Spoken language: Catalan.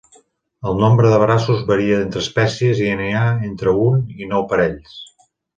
El nombre de braços varia entre espècies i n'hi ha entre un i nou parells.